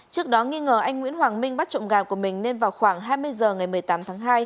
trước đó nghi ngờ anh nguyễn hoàng minh bắt trộm gà của mình nên vào khoảng hai mươi h ngày một mươi tám tháng hai